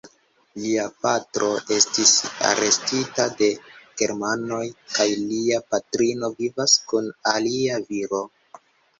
Lia patro estis arestita de Germanoj kaj lia patrino vivas kun alia viro.